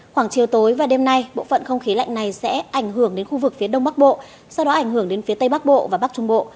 khoảng chiều tối và đêm nay bộ phận không khí lạnh này sẽ ảnh hưởng đến khu vực phía đông bắc bộ sau đó ảnh hưởng đến phía tây bắc bộ và bắc trung bộ